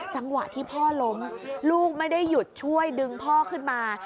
จังหวะที่พ่อล้มลูกไม่ได้หยุดช่วยดึงพ่อขึ้นมา